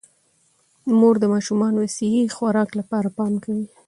مور د ماشومانو د صحي خوراک لپاره پام کوي